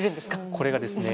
これがですね